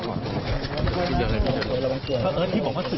โทษครับโทษพี่นักษัย